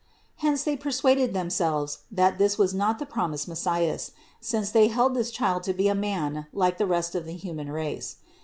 Hence they persuaded themselves that this was not the promised Messias, since they held this Child to be a man like the rest of the human race.